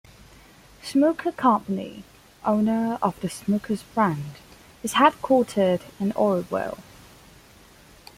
Smucker Company, owner of the Smucker's brand, is headquartered in Orrville.